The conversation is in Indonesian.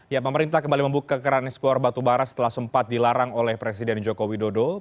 ya pemerintah kembali membuka keranis kuar batu baras setelah sempat dilarang oleh presiden joko widodo